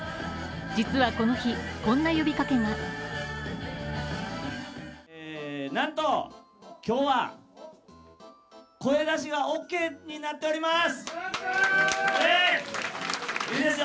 実はこの日、こんな呼びかけがなんと今日は声出しはＯＫになっております